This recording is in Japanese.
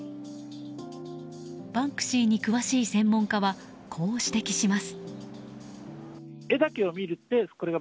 バンクシーに詳しい専門家はこう指摘します。